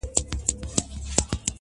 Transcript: هر څوک يې په خپل نظر ګوري,